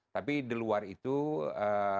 tapi di luar negara